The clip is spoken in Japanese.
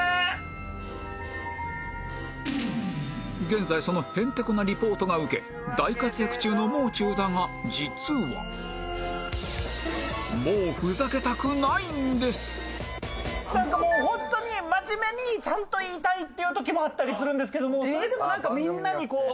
現在そのへんてこなリポートがウケ大活躍中のもう中だが実はなんかもうホントに真面目にちゃんと言いたいっていう時もあったりするんですけどそれでもみんなにこう。